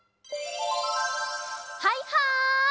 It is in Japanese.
はいはい！